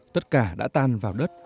tất cả đã tan vào đất